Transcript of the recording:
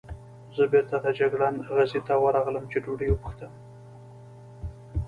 زه بېرته د جګړن خزې ته ورغلم، چې ډوډۍ وپوښتم.